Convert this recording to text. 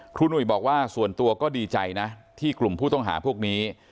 หนุ่ยบอกว่าส่วนตัวก็ดีใจนะที่กลุ่มผู้ต้องหาพวกนี้